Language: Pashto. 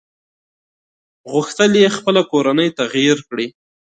غوښتل يې خپله کورنۍ تغيير کړي.